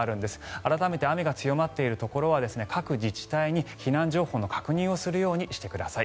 改めて雨が強まっているところは各自治体に避難情報の確認をするようにしてください。